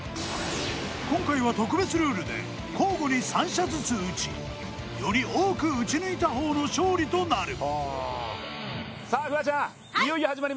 今回は特別ルールで交互に３射ずつ撃ち、より多く撃ち抜いた方の勝利となる。